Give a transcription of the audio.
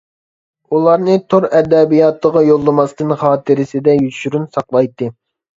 ئۇلارنى تور ئەدەبىياتىغا يوللىماستىن، خاتىرىسىدە يوشۇرۇن ساقلايتتى.